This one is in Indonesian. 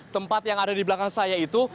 tempat yang ada di belakang saya itu